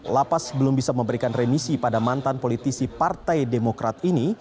lapas belum bisa memberikan remisi pada mantan politisi partai demokrat ini